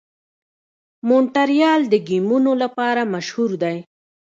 مونټریال د ګیمونو لپاره مشهور دی.